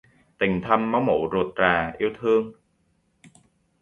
Tình thâm máu mủ ruột rà yêu thương